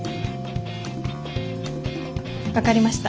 分かりました。